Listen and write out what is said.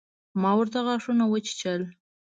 ما ورته غاښونه وچيچل.